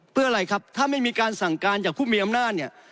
เพื่ออะไรครับถ้าไม่มีการสั่งการจากผู้มีอำนาจเนี่ย